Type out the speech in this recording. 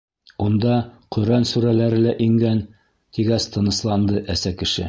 Унда Ҡөрьән сүрәләре лә ингән, тигәс тынысланды әсә кеше.